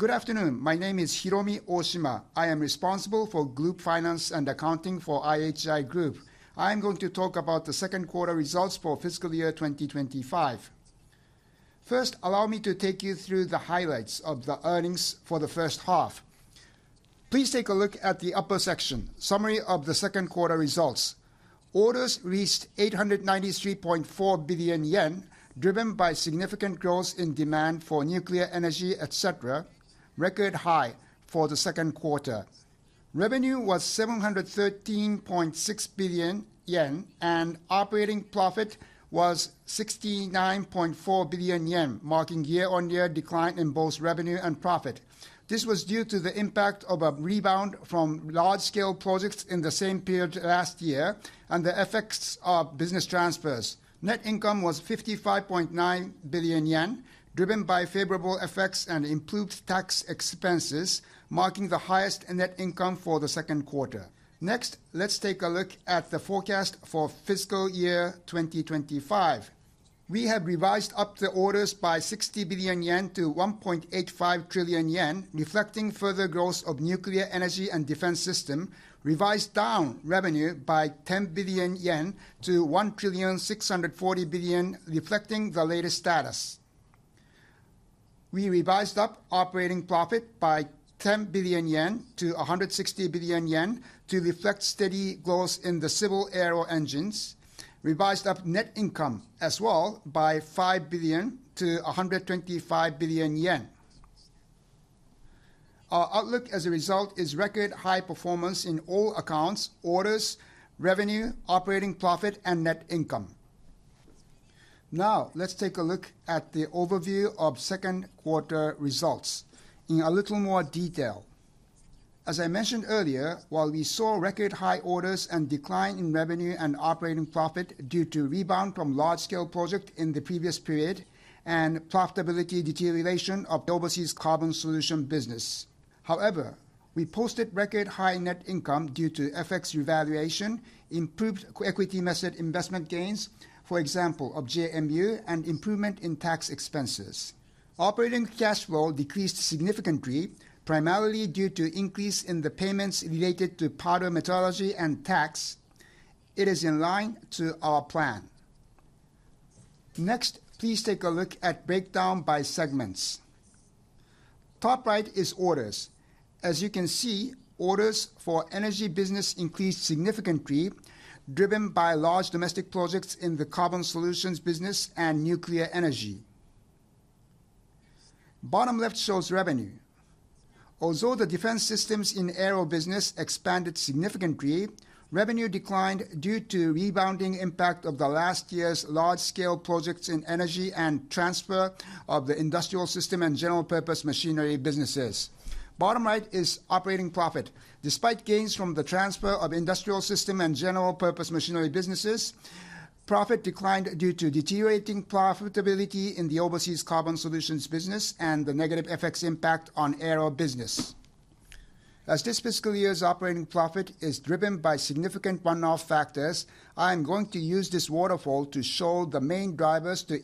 Good afternoon. My name is Hiromi Ohshima. I am responsible for group finance and accounting for IHI Group. I am going to talk about the second quarter results for fiscal year 2025. First, allow me to take you through the highlights of the earnings for the first half. Please take a look at the upper section: summary of the second quarter results. Orders reached 893.4 billion yen, driven by significant growth in demand for nuclear energy, etc., record high for the second quarter. Revenue was 713.6 billion yen, and operating profit was 69.4 billion yen, marking year-on-year decline in both revenue and profit. This was due to the impact of a rebound from large-scale projects in the same period last year and the effects of business transfers. Net income was 55.9 billion yen, driven by favorable effects and improved tax expenses, marking the highest net income for the second quarter. Next, let's take a look at the forecast for fiscal year 2025. We have revised up the orders by 60 billion-1.85 trillion yen, reflecting further growth of nuclear energy and defense systems, revised down revenue by 10 billion-1.64 billion yen, reflecting the latest status. We revised up operating profit by 10 billion-160 billion yen to reflect steady growth in the Civil Aero Engines, revised up net income as well by 5 billion-125 billion yen. Our outlook as a result is record high performance in all accounts: orders, revenue, operating profit, and net income. Now, let's take a look at the overview of second quarter results in a little more detail. As I mentioned earlier, while we saw record high orders and decline in revenue and operating profit due to rebound from large-scale projects in the previous period and profitability deterioration of the overseas carbon solutions business. However, we posted record high net income due to FX revaluation, improved equity-asset investment gains, for example, of JMU, and improvement in tax expenses. Operating cash flow decreased significantly, primarily due to increase in the payments related to powder of metallurgy and tax. It is in line to our plan. Next, please take a look at breakdown by segments. Top right is orders. As you can see, orders for energy business increased significantly, driven by large domestic projects in the carbon solutions business and nuclear energy. Bottom left shows revenue. Although the defense systems in aero business expanded significantly, revenue declined due to rebounding impact of the last year's large-scale projects in energy and transfer of the industrial system and general purpose machinery businesses. Bottom right is operating profit. Despite gains from the transfer of industrial system and general purpose machinery businesses, profit declined due to deteriorating profitability in the overseas carbon solutions business and the negative FX impact on aero business. As this fiscal year's operating profit is driven by significant one-off factors, I am going to use this waterfall to show the main drivers to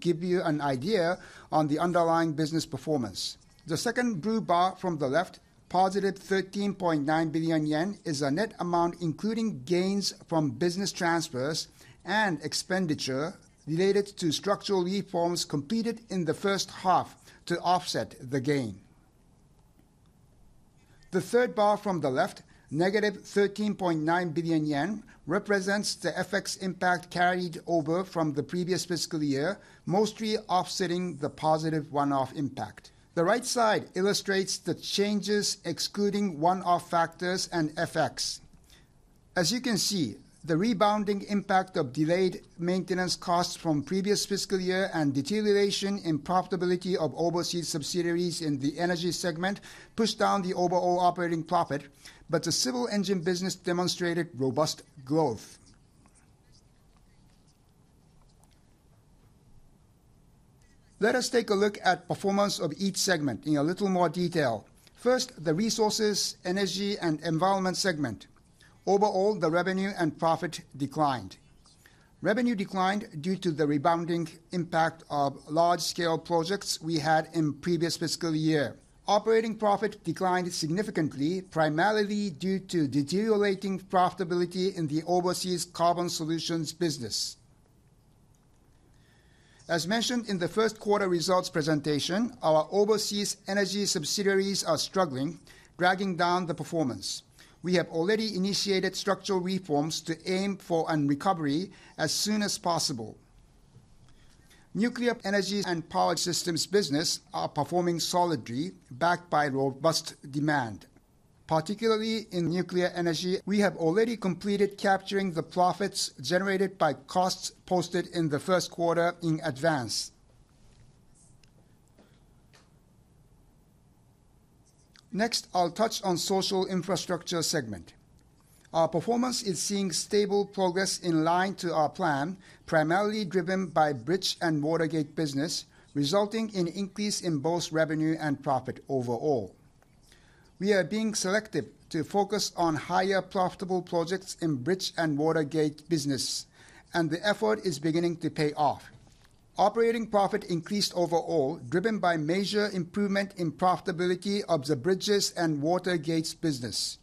give you an idea on the underlying business performance. The second blue bar from the left, positive 13.9 billion yen, is a net amount including gains from business transfers and expenditure related to structural reforms completed in the first half to offset the gain. The third bar from the left, negative 13.9 billion yen, represents the FX impact carried over from the previous fiscal year, mostly offsetting the positive one-off impact. The right side illustrates the changes excluding one-off factors and FX. As you can see, the rebounding impact of delayed maintenance costs from previous fiscal year and deterioration in profitability of overseas subsidiaries in the energy segment pushed down the overall operating profit, but the civil engine business demonstrated robust growth. Let us take a look at performance of each segment in a little more detail. First, the Resources, Energy, and Environment segment. Overall, the revenue and profit declined. Revenue declined due to the rebounding impact of large-scale projects we had in previous fiscal year. Operating profit declined significantly, primarily due to deteriorating profitability in the overseas carbon solutions business. As mentioned in the first quarter results presentation, our overseas energy subsidiaries are struggling, dragging down the performance. We have already initiated structural reforms to aim for a recovery as soon as possible. Nuclear energy and power systems business are performing solidly, backed by robust demand. Particularly in nuclear energy, we have already completed capturing the profits generated by costs posted in the first quarter in advance. Next, I'll touch on the Social Infrastructure segment. Our performance is seeing stable progress in line to our plan, primarily driven by bridge and water gate business, resulting in an increase in both revenue and profit overall. We are being selective to focus on higher profitable projects in bridge and water gate business, and the effort is beginning to pay off. Operating profit increased overall, driven by major improvement in profitability of the bridges and water gates business,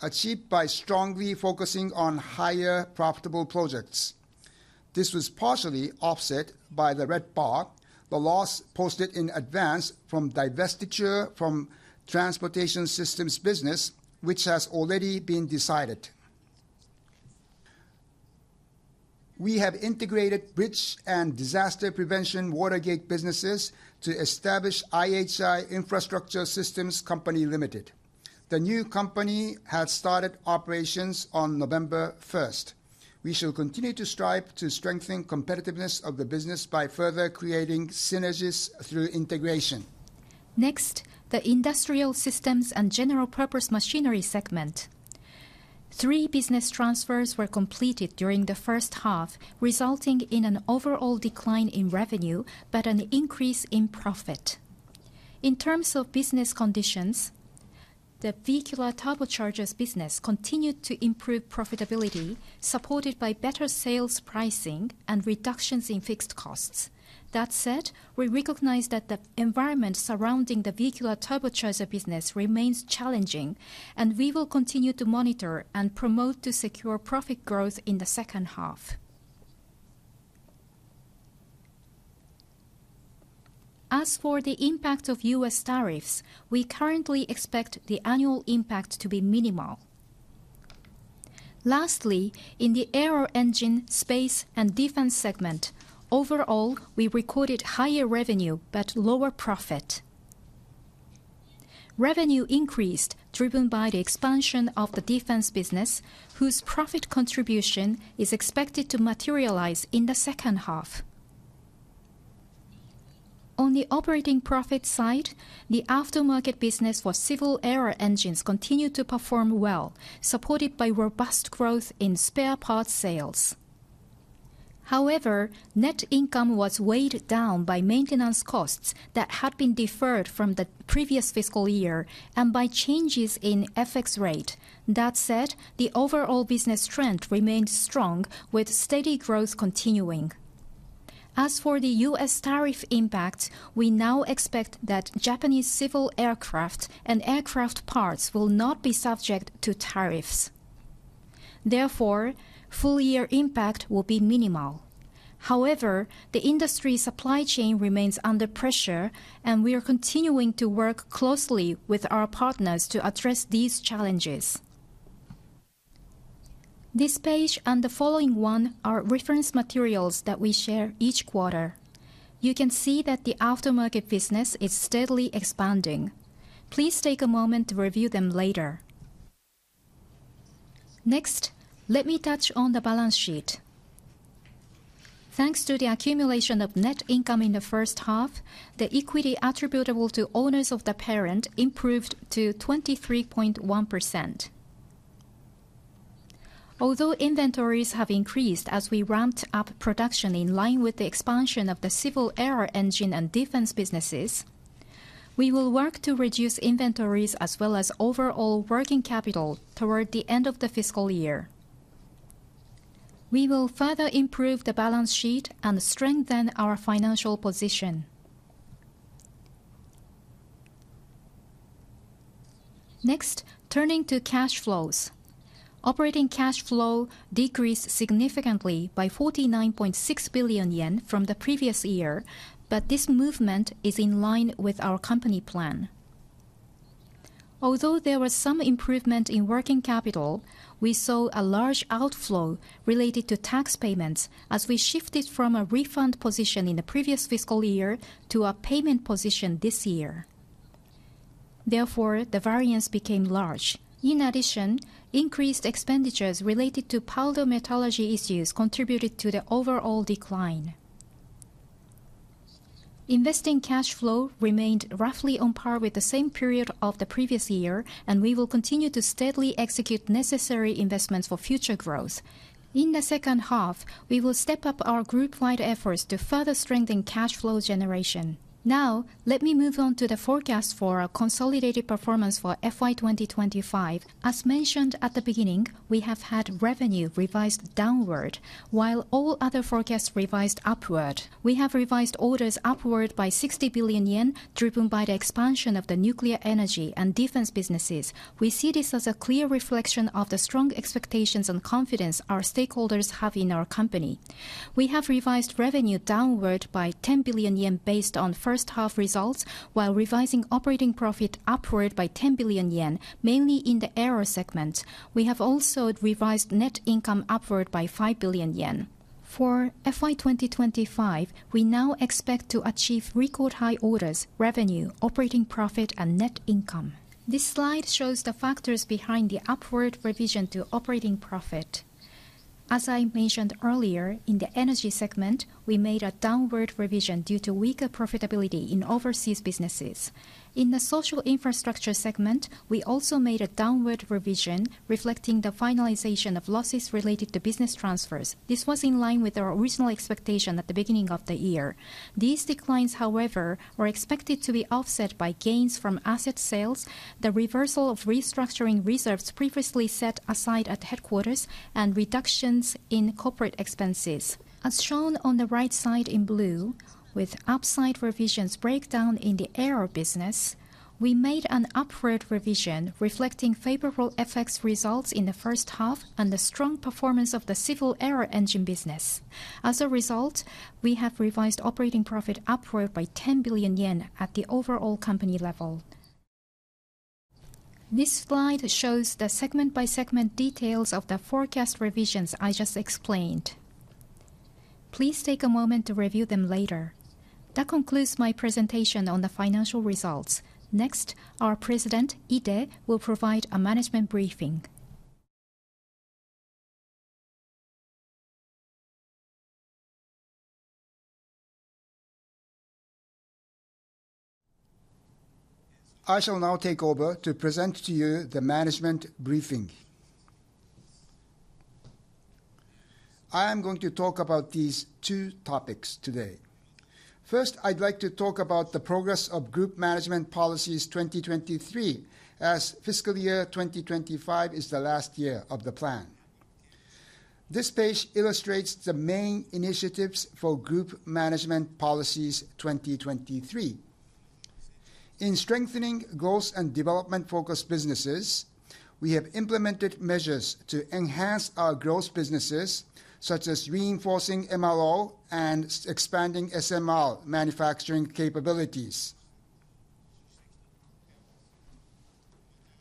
achieved by strongly focusing on higher profitable projects. This was partially offset by the red bar, the loss posted in advance from divestiture from transportation systems business, which has already been decided. We have integrated bridge and disaster prevention water gate businesses to establish IHI Infrastructure Systems Co., Ltd. The new company has started operations on November 1st. We shall continue to strive to strengthen competitiveness of the business by further creating synergies through integration. Next, the Industrial Systems and General-Purpose Machinery segment. Three business transfers were completed during the first half, resulting in an overall decline in revenue but an increase in profit. In terms of business conditions, the Vehicular Turbochargers business continued to improve profitability, supported by better sales pricing and reductions in fixed costs. That said, we recognize that the environment surrounding the vehicular turbocharger business remains challenging, and we will continue to monitor and promote to secure profit growth in the second half. As for the impact of U.S. tariffs, we currently expect the annual impact to be minimal. Lastly, in the Aero Engine, Space, and Defense segment, overall, we recorded higher revenue but lower profit. Revenue increased driven by the expansion of the defense business, whose profit contribution is expected to materialize in the second half. On the operating profit side, the aftermarket business for Civil Aero Engines continued to perform well, supported by robust growth in spare part sales. However, net income was weighed down by maintenance costs that had been deferred from the previous fiscal year and by changes in FX rate. That said, the overall business trend remained strong, with steady growth continuing. As for the U.S. tariff impact, we now expect that Japanese civil aircraft and aircraft parts will not be subject to tariffs. Therefore, full-year impact will be minimal. However, the industry supply chain remains under pressure, and we are continuing to work closely with our partners to address these challenges. This page and the following one are reference materials that we share each quarter. You can see that the aftermarket business is steadily expanding. Please take a moment to review them later. Next, let me touch on the balance sheet. Thanks to the accumulation of net income in the first half, the equity attributable to owners of the parent improved to 23.1%. Although inventories have increased as we ramped up production in line with the expansion of the civil aero engine and defense businesses, we will work to reduce inventories as well as overall working capital toward the end of the fiscal year. We will further improve the balance sheet and strengthen our financial position. Next, turning to cash flows. Operating cash flow decreased significantly by 49.6 billion yen from the previous year, but this movement is in line with our company plan. Although there was some improvement in working capital, we saw a large outflow related to tax payments as we shifted from a refund position in the previous fiscal year to a payment position this year. Therefore, the variance became large. In addition, increased expenditures related to powder metallurgy issues contributed to the overall decline. Investing cash flow remained roughly on par with the same period of the previous year, and we will continue to steadily execute necessary investments for future growth. In the second half, we will step up our group-wide efforts to further strengthen cash flow generation. Now, let me move on to the forecast for a consolidated performance for FY 2025. As mentioned at the beginning, we have had revenue revised downward, while all other forecasts revised upward. We have revised orders upward by 60 billion yen, driven by the expansion of the nuclear energy and defense businesses. We see this as a clear reflection of the strong expectations and confidence our stakeholders have in our company. We have revised revenue downward by 10 billion yen based on first-half results, while revising operating profit upward by 10 billion yen, mainly in the aero segment. We have also revised net income upward by 5 billion yen. For FY 2025, we now expect to achieve record-high orders, revenue, operating profit, and net income. This slide shows the factors behind the upward revision to operating profit. As I mentioned earlier, in the energy segment, we made a downward revision due to weaker profitability in overseas businesses. In the Social Infrastructure segment, we also made a downward revision reflecting the finalization of losses related to business transfers. This was in line with our original expectation at the beginning of the year. These declines, however, were expected to be offset by gains from asset sales, the reversal of restructuring reserves previously set aside at headquarters, and reductions in corporate expenses. As shown on the right side in blue, with upside revisions breakdown in the aero business, we made an upward revision reflecting favorable FX results in the first half and the strong performance of the civil aero engine business. As a result, we have revised operating profit upward by 10 billion yen at the overall company level. This slide shows the segment-by-segment details of the forecast revisions I just explained. Please take a moment to review them later. That concludes my presentation on the financial results. Next, our President, Ide, will provide a management briefing. I shall now take over to present to you the management briefing. I am going to talk about these two topics today. First, I'd like to talk about the progress of Group Management Policies 2023 as fiscal year 2025 is the last year of the plan. This page illustrates the main initiatives for Group Management Policies 2023. In strengthening growth and development-focused businesses, we have implemented measures to enhance our growth businesses, such as reinforcing MRO and expanding SMR manufacturing capabilities.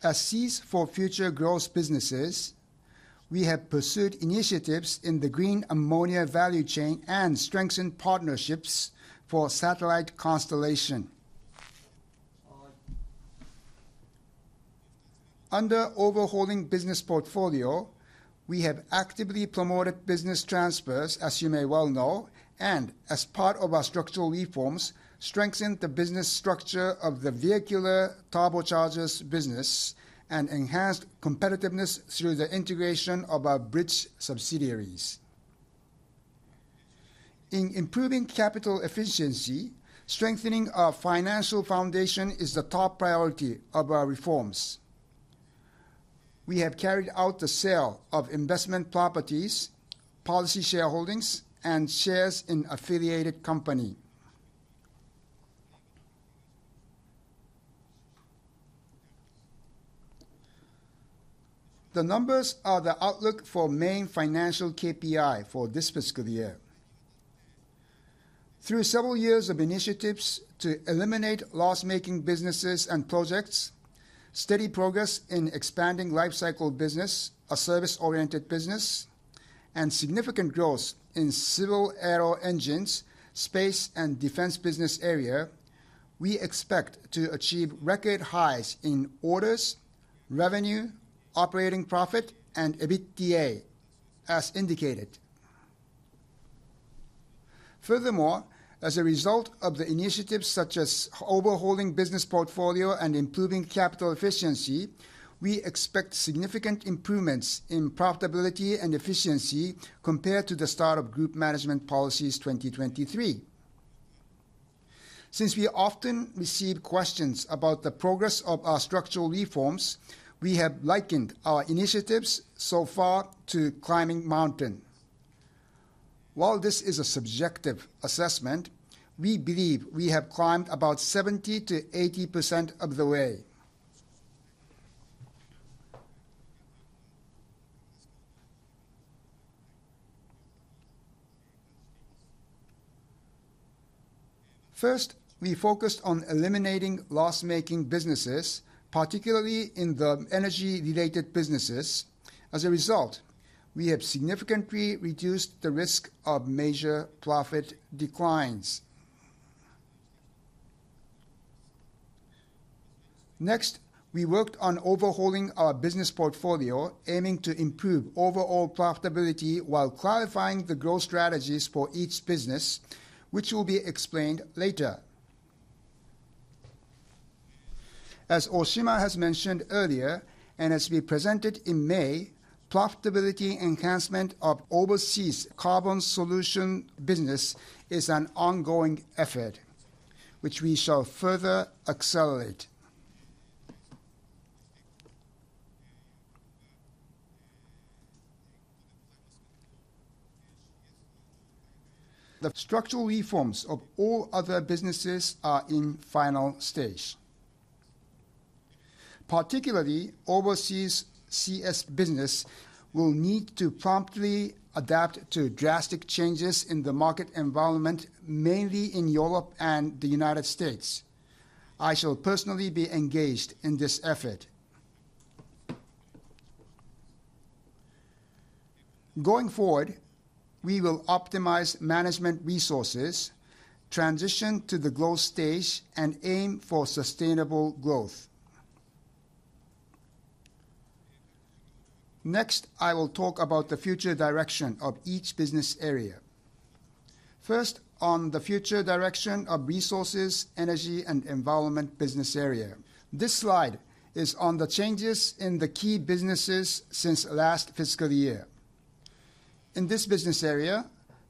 As seeds for future growth businesses, we have pursued initiatives in the green ammonia value chain and strengthened partnerships for satellite constellation. Under overhauling the business portfolio, we have actively promoted business transfers, as you may well know, and as part of our structural reforms, strengthened the business structure of the Vehicular Turbochargers business and enhanced competitiveness through the integration of our bridge subsidiaries. In improving capital efficiency, strengthening our financial foundation is the top priority of our reforms. We have carried out the sale of investment properties, policy shareholdings, and shares in affiliated company. The numbers are the outlook for main financial KPI for this fiscal year. Through several years of initiatives to eliminate loss-making businesses and projects, steady progress in expanding lifecycle business, a service-oriented business, and significant growth in Civil Aero Engines, space, and defense business area, we expect to achieve record highs in orders, revenue, operating profit, and EBITDA, as indicated. Furthermore, as a result of the initiatives such as overhauling business portfolio and improving capital efficiency, we expect significant improvements in profitability and efficiency compared to the start of Group Management Policies 2023. Since we often receive questions about the progress of our structural reforms, we have likened our initiatives so far to climbing mountain. While this is a subjective assessment, we believe we have climbed about 70%-80% of the way. First, we focused on eliminating loss-making businesses, particularly in the energy-related businesses. As a result, we have significantly reduced the risk of major profit declines. Next, we worked on overhauling our business portfolio, aiming to improve overall profitability while clarifying the growth strategies for each business, which will be explained later. As Ohshima has mentioned earlier, and as we presented in May, profitability enhancement of overseas carbon solutions business is an ongoing effort, which we shall further accelerate. The structural reforms of all other businesses are in final stage. Particularly, overseas CS business will need to promptly adapt to drastic changes in the market environment, mainly in Europe and the United States. I shall personally be engaged in this effort. Going forward, we will optimize management resources, transition to the growth stage, and aim for sustainable growth. Next, I will talk about the future direction of each business area. First, on the future direction of resources, energy, and environment business area. This slide is on the changes in the key businesses since last fiscal year. In this business area,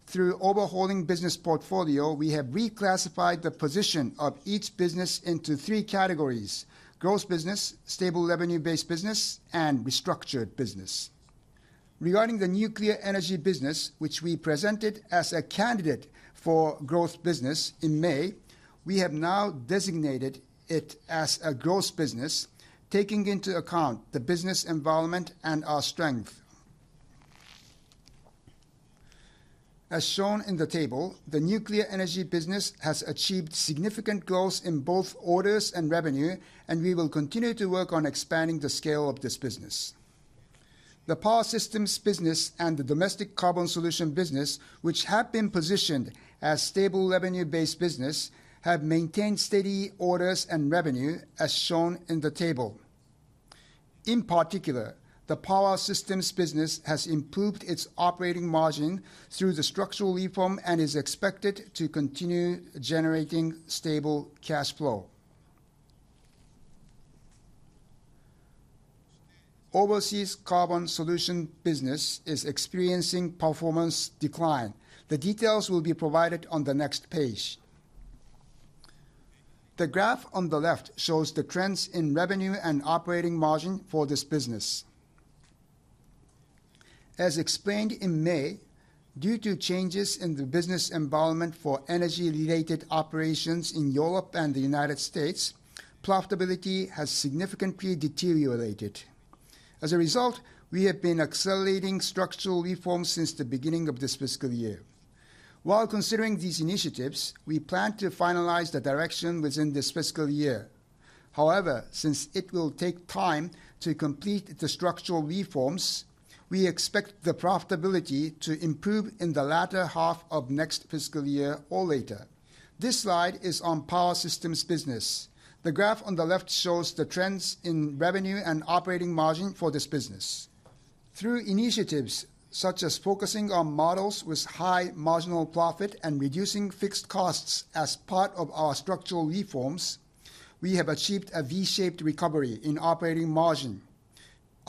through overhauling business portfolio, we have reclassified the position of each business into three categories: growth business, stable revenue-based business, and restructured business. Regarding the nuclear energy business, which we presented as a candidate for growth business in May, we have now designated it as a growth business, taking into account the business environment and our strength. As shown in the table, the nuclear energy business has achieved significant growth in both orders and revenue, and we will continue to work on expanding the scale of this business. The power systems business and the domestic carbon solution business, which have been positioned as stable revenue-based business, have maintained steady orders and revenue, as shown in the table. In particular, the power systems business has improved its operating margin through the structural reform and is expected to continue generating stable cash flow. Overseas carbon solution business is experiencing performance decline. The details will be provided on the next page. The graph on the left shows the trends in revenue and operating margin for this business. As explained in May, due to changes in the business environment for energy-related operations in Europe and the United States, profitability has significantly deteriorated. As a result, we have been accelerating structural reforms since the beginning of this fiscal year. While considering these initiatives, we plan to finalize the direction within this fiscal year. However, since it will take time to complete the structural reforms, we expect the profitability to improve in the latter half of next fiscal year or later. This slide is on power systems business. The graph on the left shows the trends in revenue and operating margin for this business. Through initiatives such as focusing on models with high marginal profit and reducing fixed costs as part of our structural reforms, we have achieved a V-shaped recovery in operating margin.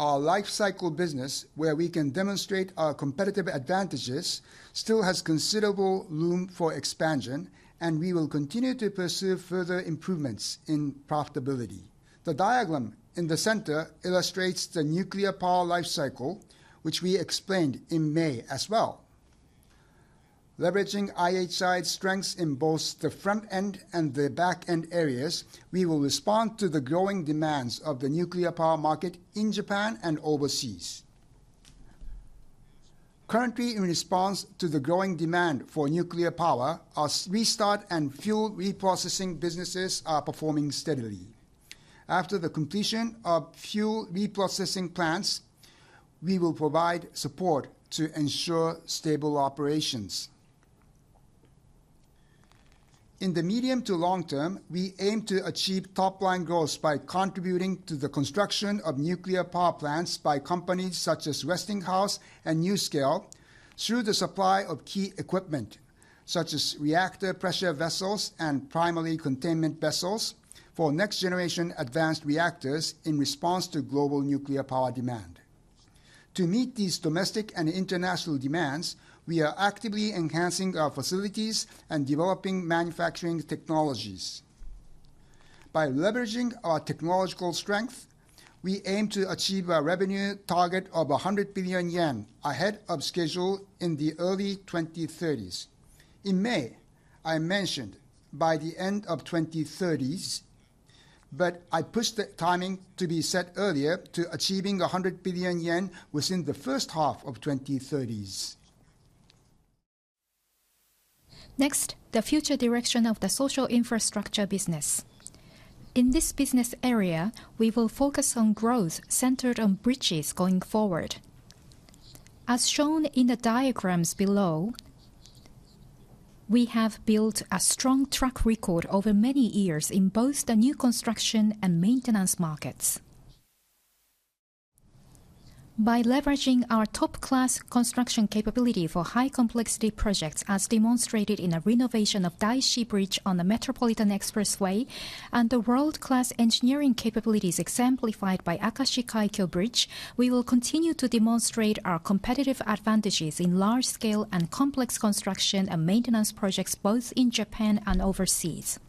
Our lifecycle business, where we can demonstrate our competitive advantages, still has considerable room for expansion, and we will continue to pursue further improvements in profitability. The diagram in the center illustrates the nuclear power lifecycle, which we explained in May as well. Leveraging IHI's strengths in both the front-end and the back-end areas, we will respond to the growing demands of the nuclear power market in Japan and overseas. Currently, in response to the growing demand for nuclear power, our restart and fuel reprocessing businesses are performing steadily. After the completion of fuel reprocessing plants, we will provide support to ensure stable operations. In the medium to long term, we aim to achieve top-line growth by contributing to the construction of nuclear power plants by companies such as Westinghouse and NuScale through the supply of key equipment, such as reactor pressure vessels and primary containment vessels for next-generation advanced reactors in response to global nuclear power demand. To meet these domestic and international demands, we are actively enhancing our facilities and developing manufacturing technologies. By leveraging our technological strength, we aim to achieve a revenue target of 100 billion yen ahead of schedule in the early 2030s. In May, I mentioned by the end of 2030s, but I pushed the timing to be set earlier to achieving 100 billion yen within the first half of 2030s. Next, the future direction of the Social Infrastructure business. In this business area, we will focus on growth centered on bridges going forward. As shown in the diagrams below, we have built a strong track record over many years in both the new construction and maintenance markets. By leveraging our top-class construction capability for high-complexity projects, as demonstrated in the renovation of Daishi Bridge on the Metropolitan Expressway and the world-class engineering capabilities exemplified by Akashi Kaikyo Bridge, we will continue to demonstrate our competitive advantages in large-scale and complex construction and maintenance projects both in Japan and overseas.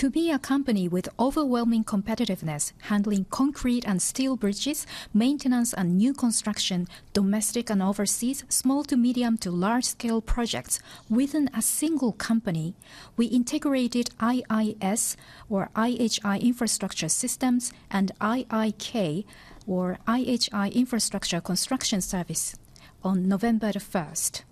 To be a company with overwhelming competitiveness handling concrete and steel bridges, maintenance and new construction, domestic and overseas, small to medium to large-scale projects within a single company, we integrated IIS, or IHI Infrastructure Systems, and IIK, or IHI Infrastructure Construction Service, on November the 1st.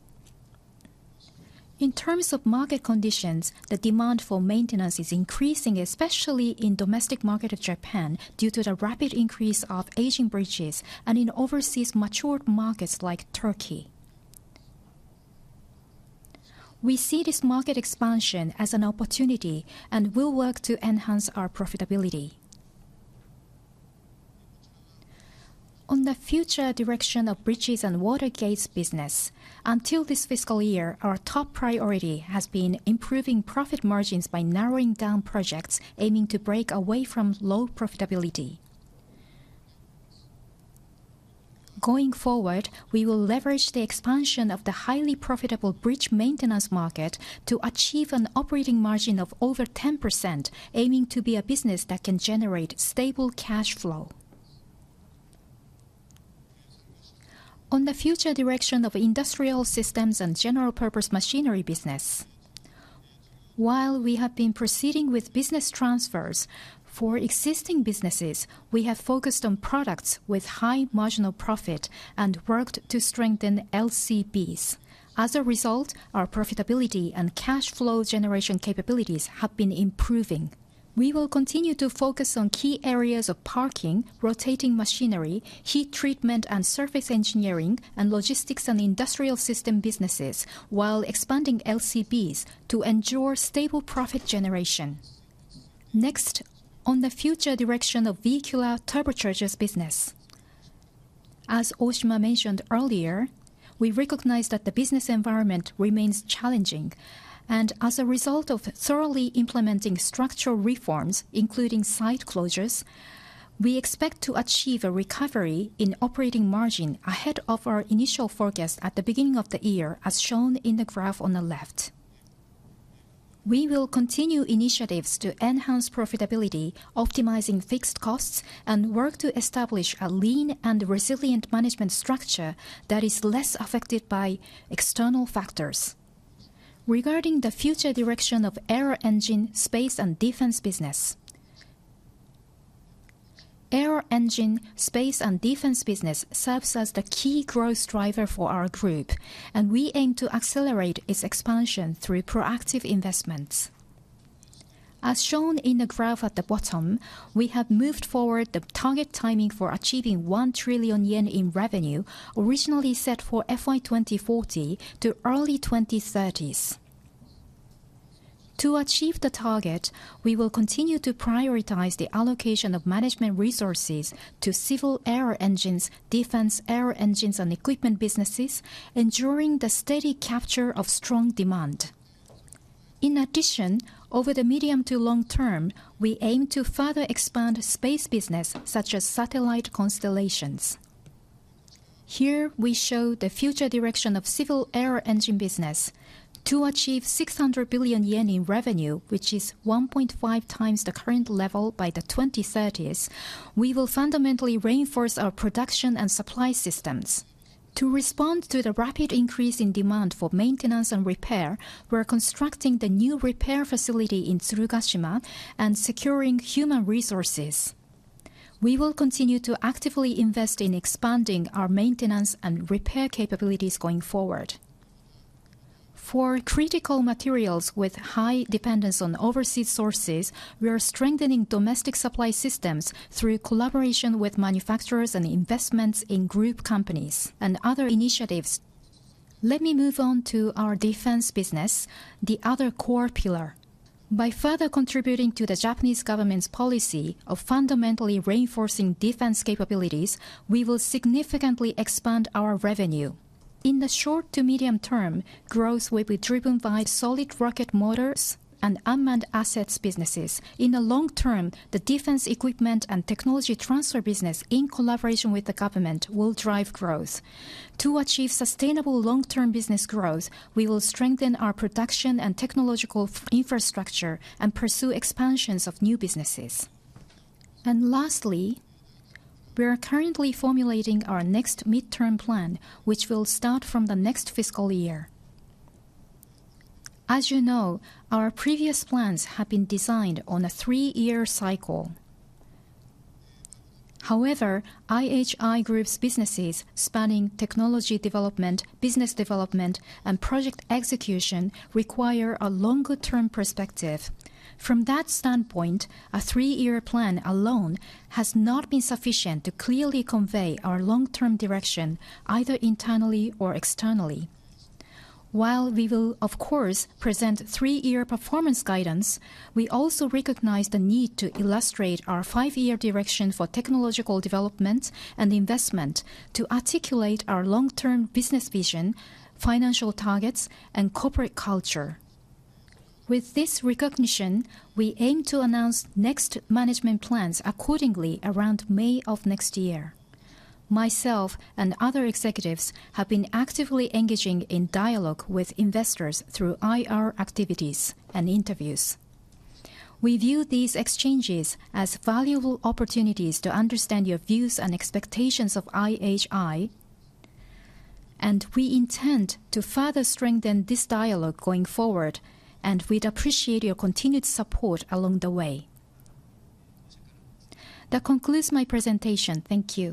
In terms of market conditions, the demand for maintenance is increasing, especially in the domestic market of Japan due to the rapid increase of aging bridges and in overseas mature markets like Turkey. We see this market expansion as an opportunity and will work to enhance our profitability. On the future direction of bridges and water gates business, until this fiscal year, our top priority has been improving profit margins by narrowing down projects aiming to break away from low profitability. Going forward, we will leverage the expansion of the highly profitable bridge maintenance market to achieve an operating margin of over 10%, aiming to be a business that can generate stable cash flow. On the future direction of industrial systems and general-purpose machinery business, while we have been proceeding with business transfers for existing businesses, we have focused on products with high marginal profit and worked to strengthen LCBs. As a result, our profitability and cash flow generation capabilities have been improving. We will continue to focus on key areas of parking, rotating machinery, heat treatment and surface engineering, and logistics and industrial system businesses, while expanding LCBs to ensure stable profit generation. Next, on the future direction of Vehicular Turbochargers business. As Ohshima mentioned earlier, we recognize that the business environment remains challenging, and as a result of thoroughly implementing structural reforms, including site closures, we expect to achieve a recovery in operating margin ahead of our initial forecast at the beginning of the year, as shown in the graph on the left. We will continue initiatives to enhance profitability, optimizing fixed costs, and work to establish a lean and resilient management structure that is less affected by external factors. Regarding the future direction of Aero Engine, Space, and Defense business, Aero Engine, Space, and Defense business serves as the key growth driver for our group, and we aim to accelerate its expansion through proactive investments. As shown in the graph at the bottom, we have moved forward the target timing for achieving 1 trillion yen in revenue, originally set for FY 2040 to early 2030s. To achieve the target, we will continue to prioritize the allocation of management resources to Civil Aero Engines, defense aero engines, and equipment businesses, ensuring the steady capture of strong demand. In addition, over the medium to long term, we aim to further expand space business, such as satellite constellations. Here, we show the future direction of civil aero engine business. To achieve 600 billion yen in revenue, which is 1.5x the current level by the 2030s, we will fundamentally reinforce our production and supply systems. To respond to the rapid increase in demand for maintenance and repair, we're constructing the new repair facility in Tsurugashima and securing human resources. We will continue to actively invest in expanding our maintenance and repair capabilities going forward. For critical materials with high dependence on overseas sources, we are strengthening domestic supply systems through collaboration with manufacturers and investments in group companies and other initiatives. Let me move on to our defense business, the other core pillar. By further contributing to the Japanese government's policy of fundamentally reinforcing defense capabilities, we will significantly expand our revenue. In the short to medium term, growth will be driven by solid rocket motors and unmanned assets businesses. In the long term, the defense equipment and technology transfer business, in collaboration with the government, will drive growth. To achieve sustainable long-term business growth, we will strengthen our production and technological infrastructure and pursue expansions of new businesses, and lastly, we are currently formulating our next midterm plan, which will start from the next fiscal year. As you know, our previous plans have been designed on a three-year cycle. However, IHI Group's businesses spanning technology development, business development, and project execution require a longer-term perspective. From that standpoint, a three-year plan alone has not been sufficient to clearly convey our long-term direction, either internally or externally. While we will, of course, present three-year performance guidance, we also recognize the need to illustrate our five-year direction for technological development and investment to articulate our long-term business vision, financial targets, and corporate culture. With this recognition, we aim to announce next management plans accordingly around May of next year. Myself and other executives have been actively engaging in dialogue with investors through IR activities and interviews. We view these exchanges as valuable opportunities to understand your views and expectations of IHI, and we intend to further strengthen this dialogue going forward, and we'd appreciate your continued support along the way. That concludes my presentation. Thank you.